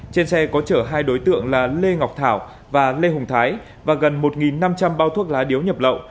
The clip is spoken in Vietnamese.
trên xe có chở hai đối tượng là lê ngọc thảo và lê hùng thái và gần một năm trăm linh bao thuốc lá điếu nhập lậu